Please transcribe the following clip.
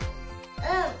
うん。